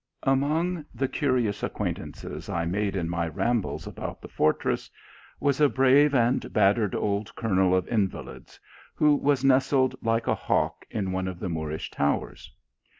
AMONG the curious acquaintances I have made |n my rambles about the fortress, is a brave and bat tered old Colonel of Invalids, who is nestled like a hawk in one of the Moorish towers.